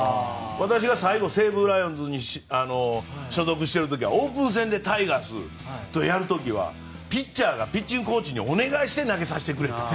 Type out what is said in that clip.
私が最後、西武ライオンズに所属してる時はオープン戦でタイガースとやる時はピッチャーがピッチングコーチにお願いをして投げさせてくれと。